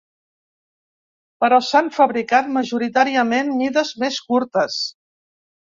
Però s'han fabricat, majoritàriament, mides més curtes.